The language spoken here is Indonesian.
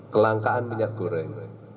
kelangkaan minyak goreng